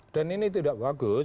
dan ini tidak bagus